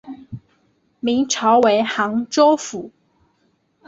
明朝为杭州府。